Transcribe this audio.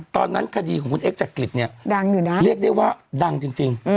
ตอนนั้นคดีของคุณเอ็กซ์จักริดนี่เรียกได้ว่าดังจริง